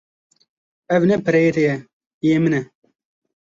Ev ne pereyê te ye, yê min e.